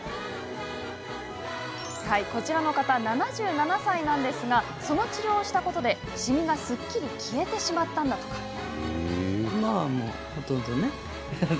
こちらの方、７７歳なんですがその治療をしたことで、シミがすっきり消えてしまったとか。